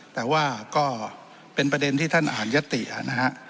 แต่ว่าก็เป็นประเด็นที่ท่านอ่านยตินะฮะ